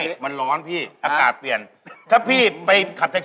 เอาบาร์เป็นคนคาลิกส์ที่เลิกเลย